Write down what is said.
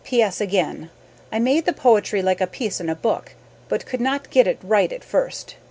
P. S. again. I made the poetry like a piece in a book but could not get it right at first.